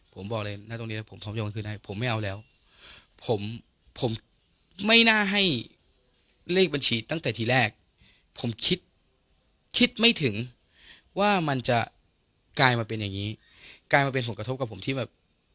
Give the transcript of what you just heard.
ผมบอกเลยนะตรงนี้นะผมพร้อมโยงคืนได้ผมไม่เอาแล้วผมผมไม่น่าให้เลขบัญชีตั้งแต่ทีแรกผมคิดคิดไม่ถึงว่ามันจะกลายมาเป็นอย่างนี้กลายมาเป็นผลกระทบกับผมที่แบบ